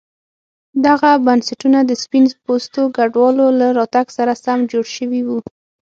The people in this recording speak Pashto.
دغه بنسټونه د سپین پوستو کډوالو له راتګ سره سم جوړ شوي وو.